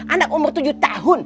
anak umur tujuh tahun